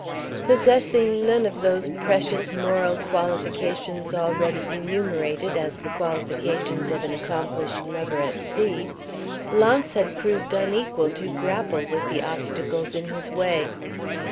Possessing none of those precious moral qualifications already enumerated as the qualifications of an accomplished lover at sea, Launce had proved unequal to grapple with the obstacles in his way.